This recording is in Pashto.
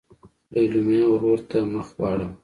لېلما ورور ته مخ واړوه.